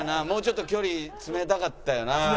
もうちょっと距離詰めたかったよな。